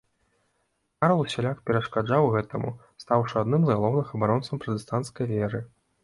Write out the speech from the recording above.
Карл усяляк перашкаджаў гэтаму, стаўшы адным з галоўных абаронцаў пратэстанцкай веры.